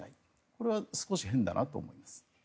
これは少し変だなと思います。